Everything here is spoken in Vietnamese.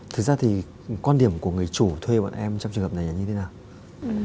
thực ra thì quan điểm của người chủ thuê bọn em trong trường hợp này là như thế nào